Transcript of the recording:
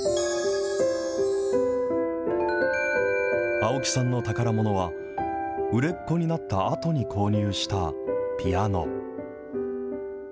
青木さんの宝ものは、売れっ子になったあとに購入したピアノ。